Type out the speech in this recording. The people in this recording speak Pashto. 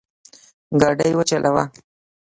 ګاډی وچلوه